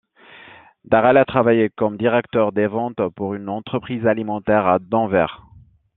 Darrell a travaillé comme directeur des ventes pour une entreprise alimentaire à Denver.